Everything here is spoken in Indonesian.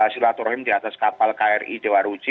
silaturahim di atas kapal kri dewa ruji